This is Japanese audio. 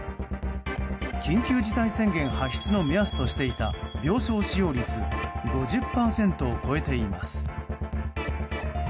緊急事態宣言発出の目安としていた病床使用率５０％を超えています。